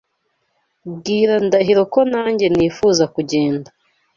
Bwira Ndahiro ko nanjye nifuza kugenda.